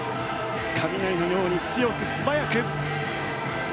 雷のように強く、素早く。